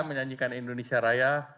menyanyikan indonesia raya